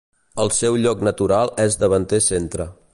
El seu lloc natural és davanter centre.